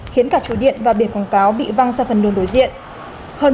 khiến cả chủ điện và biển quảng cáo bị văng sang phần đường đối diện